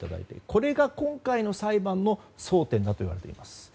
これが今回の裁判の争点だといわれています。